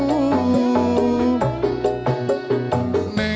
pamer bojo anjar neng arepku